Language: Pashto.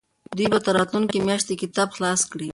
دوی به تر راتلونکې میاشتې کتاب خلاص کړي.